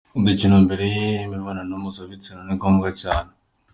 Udukino mbere y’imibonano mpuzabitsina ni ngombwa cyane.